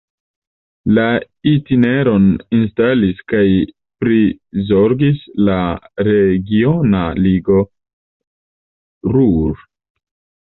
La itineron instalis kaj prizorgas la Regiona Ligo Ruhr.